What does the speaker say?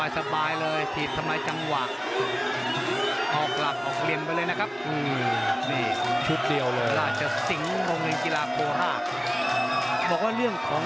สบายเลยจีดทำให้จังหวัด